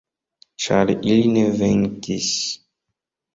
Ĉar ili ne venkis!